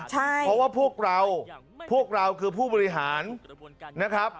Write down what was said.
เพราะว่าพวกเราพวกเราคือผู้บริหารนะครับ